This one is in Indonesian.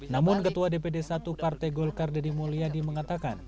namun ketua dpd satu partai golkar deddy mulyadi mengatakan